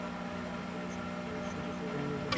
এছাড়াও, শীতকালে West Indies গমনের জন্য মনোনীত হন।